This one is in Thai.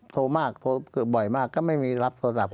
โทรมากโทรเกือบบ่อยมากก็ไม่มีรับโทรศัพท์